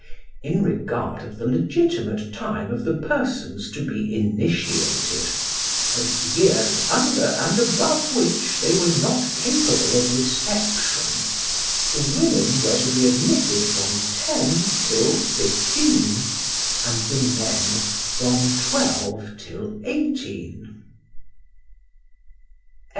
In regard of the legitimate time of the persons to be initiated, and years under and above which they were not capable of reception, the women were to be admitted from ten till fifteen, and the men from twelve till eighteen.